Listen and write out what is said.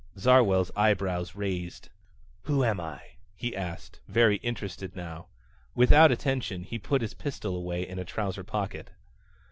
Zarwell's eyebrows raised. "Who am I?" he asked, very interested now. Without attention he put his pistol away in a trouser pocket.